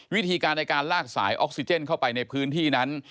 วิธีการในการลากสายออกซิเจนเข้าไปในพื้นที่นั้น